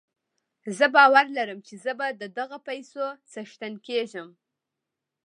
زه باور لرم چې زه به د دغو پيسو څښتن کېږم.